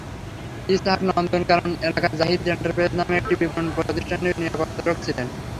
ইসহাক নন্দনকানন এলাকার জাহিদ এন্টারপ্রাইজ নামের একটি বিপণন প্রতিষ্ঠানের নিরাপত্তারক্ষী ছিলেন।